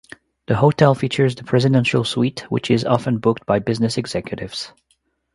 The hotel features the Presidential Suite which is often booked by business executives.